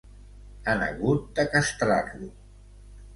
Han hagut de castrar-lo.